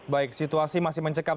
baik situasi masih mencekam